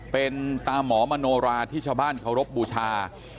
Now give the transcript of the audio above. เป็นตามหมอมโนราที่ชาวบ้านเคารพบูชา